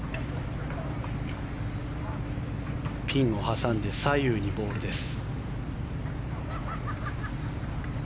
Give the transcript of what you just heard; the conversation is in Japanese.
ピンを挟んで左右にボールです。